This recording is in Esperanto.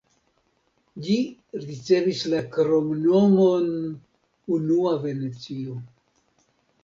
Ĝi ricevis la kromnomon "unua Venecio".